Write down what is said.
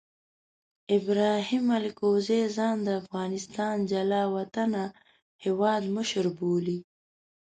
ابراهیم الکوزي ځان د افغانستان جلا وطنه هیواد مشر بولي.